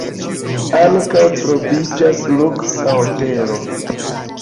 Ankaŭ troviĝas luksa hotelo.